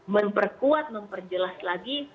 memperkuat memperjelas lagi